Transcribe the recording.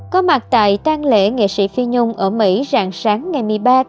có mặt tại tang lễ nghệ sĩ phi nhung ở mỹ rạng sáng ngày một mươi ba tháng một mươi giờ việt nam